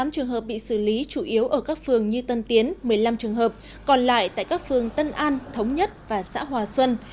tám trường hợp bị xử lý chủ yếu ở các phường như tân tiến một mươi năm trường hợp còn lại tại các phường tân an thống nhất và xã hòa xuân